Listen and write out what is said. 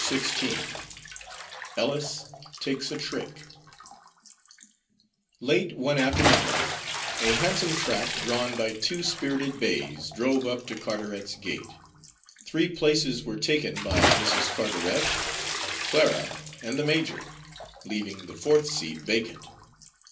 XVI ELLIS TAKES A TRICK Late one afternoon a handsome trap, drawn by two spirited bays, drove up to Carteret's gate. Three places were taken by Mrs. Carteret, Clara, and the major, leaving the fourth seat vacant.